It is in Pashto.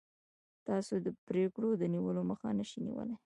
تاسو د پرېکړو د نیولو مخه نشئ نیولی.